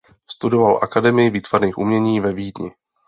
Studoval akademii výtvarných umění ve Vídni.